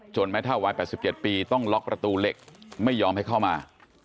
แม่เท่าวัย๘๗ปีต้องล็อกประตูเหล็กไม่ยอมให้เข้ามา